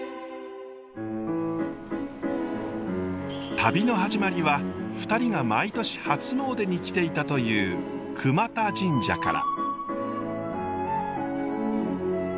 旅の始まりは２人が毎年初詣に来ていたという杭全神社から。